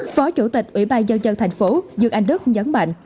phó chủ tịch ủy ban dân dân thành phố dương anh đức nhấn mạnh